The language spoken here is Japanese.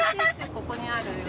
ここにあるよ